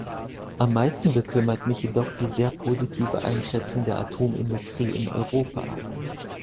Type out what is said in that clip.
Am meisten bekümmert mich jedoch die sehr positive Einschätzung der Atomindustrie in Europa.